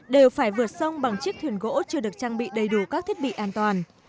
đều phải vượt sông bằng chiếc thuyền gỗ chưa được trang bị đầy đủ các thiết bị an toàn